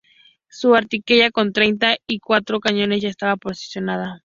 Su artillería, con treinta y cuatro cañones, ya estaba posicionada.